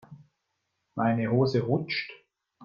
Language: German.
Meine Hose rutscht.